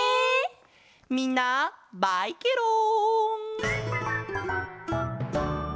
みんなバイケロン！